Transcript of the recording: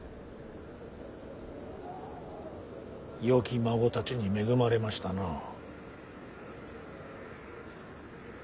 よき孫たちに恵まれましたな。